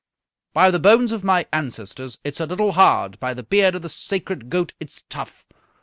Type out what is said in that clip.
"By the bones of my ancestors, it's a little hard! By the beard of the sacred goat, it's tough!